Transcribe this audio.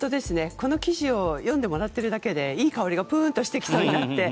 この記事を読んでもらってるだけでいい香りがぷーんとしてきそうになって。